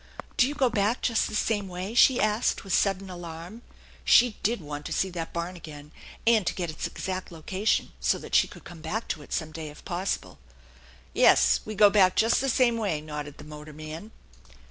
" Do you go back just the same way ?" she asked with sudden alarm. She did want to see that barn again, and to get its exact location so that she could come back to it some day if possible. " Yes, we go back just the same way," nodded the motor man.